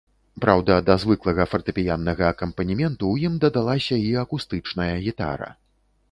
Праўда, да звыклага фартэпіяннага акампанементу ў ім дадалася і акустычная гітара.